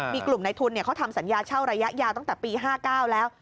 มีกลุ่มในทุนเขาทำสัญญาเช่าระยะยาวตั้งแต่ปี๕๙แล้ว